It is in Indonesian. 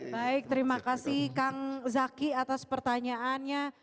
baik terima kasih kang zaki atas pertanyaannya